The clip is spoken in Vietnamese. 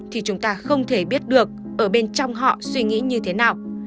thì chúng ta không thể biết được ở bên trong họ suy nghĩ như thế nào